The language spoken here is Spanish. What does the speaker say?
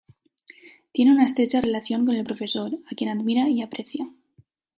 Tiene una estrecha relación con el profesor, a quien admira y aprecia.